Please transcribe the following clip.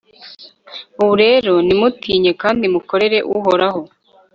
ubu rero, nimutinye kandi mukorere uhoraho